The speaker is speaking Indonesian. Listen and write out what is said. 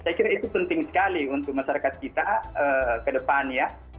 saya kira itu penting sekali untuk masyarakat kita ke depan ya